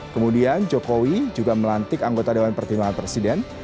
kemudian jokowi juga melantik anggota dewan pertimbangan presiden